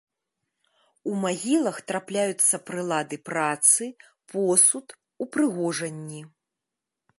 У магілах трапляюцца прылады працы, посуд, упрыгожанні.